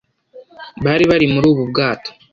bari bari muri ubu bwato